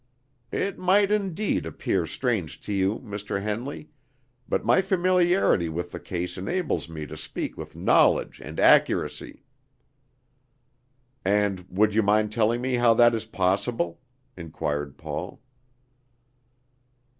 "It might indeed appear strange to you, Mr. Henley, but my familiarity with the case enables me to speak with knowledge and accuracy." "And would you mind telling me how that is possible?" inquired Paul.